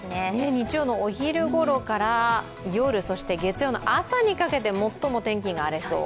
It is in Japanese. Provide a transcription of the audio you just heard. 日曜のお昼ごろから夜、そして月曜の朝にかけて荒れそう。